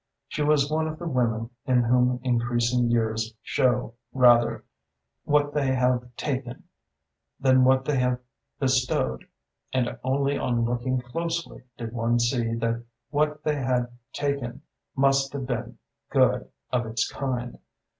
She was one of the women in whom increasing years show rather what they have taken than what they have bestowed, and only on looking closely did one see that what they had taken must have been good of its kind.